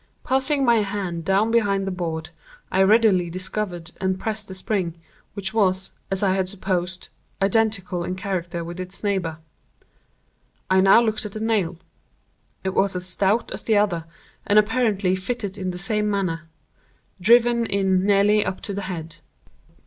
Passing my hand down behind the board, I readily discovered and pressed the spring, which was, as I had supposed, identical in character with its neighbor. I now looked at the nail. It was as stout as the other, and apparently fitted in the same manner—driven in nearly up to the head.